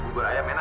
bubur ayam enak ya